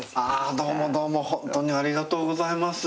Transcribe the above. どうもどうも本当にありがとうございます。